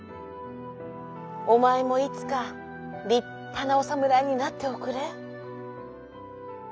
「おまえもいつかりっぱなおさむらいになっておくれ」。